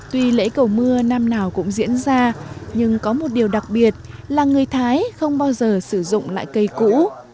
tuy lễ cầu mưa năm nào cũng diễn ra nhưng có một điều đặc biệt là người thái không bao giờ sử dụng lại cây cũ